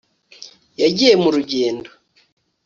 Yagiye mu rugendo